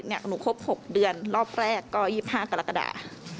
หนูครบ๖เดือนรอบแรกก็๒๕กรกฎา